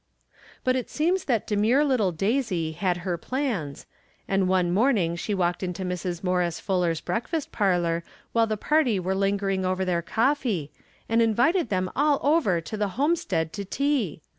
But it seems that demure little Daisy had her plans, and one morning she walked into Mrs. Morris Fuller's brealcfast parlor whUe the party were lingering over their coffee, and invited them all over to the homestead to tea